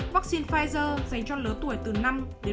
vaccine pfizer dành cho lớn tuổi từ năm đến năm tuổi